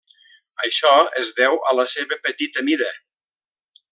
Això es deu a la seva petita mida.